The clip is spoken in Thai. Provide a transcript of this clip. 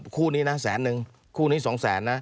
คู่นี้นะแสนนึงคู่นี้๒แสนนะ